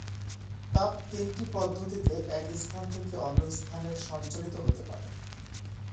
তাপ তিনটি পদ্ধতিতে এক স্থান থেকে অন্য স্থানে সঞ্চালিত হতে পারে।